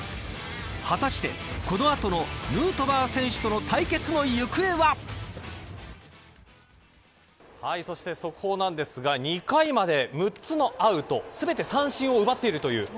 果たして、この後のヌートバー選手とのそして速報なんですが２回まで６つのアウト、全て三振を奪っているという。